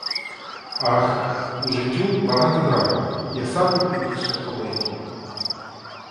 Ах, у життю багато драм, я сам люблю більше комедію.